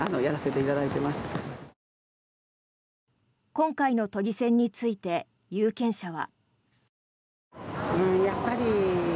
今回の都議選について有権者は。